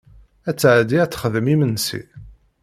Ad tɛedi ad texdem imensi.